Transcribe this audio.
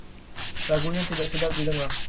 lagunya tidak sedap didengar